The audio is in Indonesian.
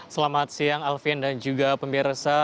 selamat siang alvin dan juga pemirsa